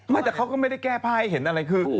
แต่เขาก็ไม่ได้แก้ผ้าให้เห็นอะไรคือ